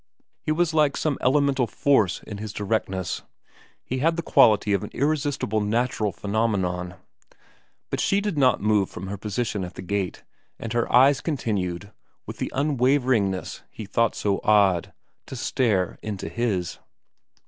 He was like some elemental force in his directness. He had the quality of an irresistible natural phenomenon. But she did not move from her position at the gate, and her eyes continued, with the unwaveringness he thought so odd, to stare into his.